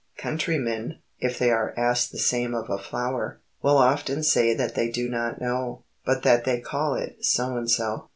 Countrymen, if they are asked the name of a flower, will often say that they do not know, but that they call it so and so.